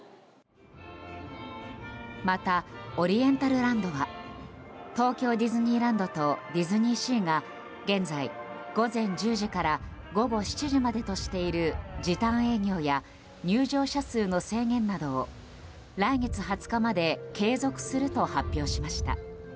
また、オリエンタルランドは東京ディズニーランドとディズニーシーが現在、午前１０時から午後７時までとしている時短営業や入場者数の制限などを来月２０日まで継続すると発表しました。